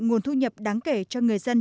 nguồn thu nhập đáng kể cho người dân